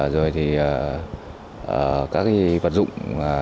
rồi thì các vật dụng